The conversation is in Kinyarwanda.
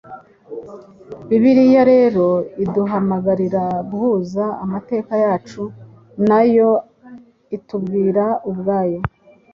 Bibiliya rero iduhamagarira guhuza amateka yacu n‟ayo itubwira ubwayo: